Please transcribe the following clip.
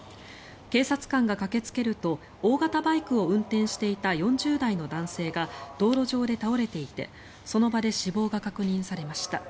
警察官が駆けつけると大型バイクを運転していた４０代の男性が道路上で倒れていてその場で死亡が確認されました。